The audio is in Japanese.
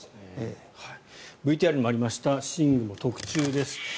ＶＴＲにもありました寝具も特注です。